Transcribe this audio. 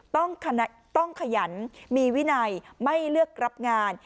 ต้องขยันมีวินัยไม่เลือกรับงาน